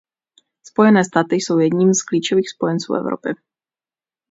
Spojené státy jsou jedním z klíčových spojenců Evropy.